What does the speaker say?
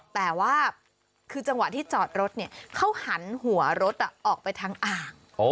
แต่ว่าคือจังหวะที่จอดรถเขาหันหัวรถออกไปทางอ่าง